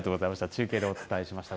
中継でお伝えしました。